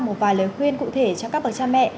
một vài lời khuyên cụ thể cho các bậc cha mẹ